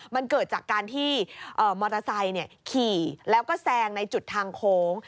มันเกิดจากการที่มอเตอร์ไซค์ขี่แล้วก็แซงในจุดทางโค้ง